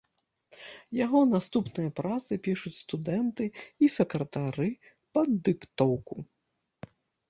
Яго наступныя працы пішуць студэнты і сакратары пад дыктоўку.